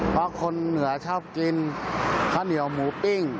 เพราะคนเหนือชอบกินข้าวเหนียวหมูปิ้ง